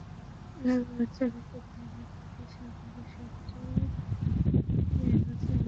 এলাকার জনপ্রতিনিধিদের সঙ্গে বিষয়টি নিয়ে আলোচনা করে শিগগিরই প্রয়োজনীয় ব্যবস্থা নেবেন।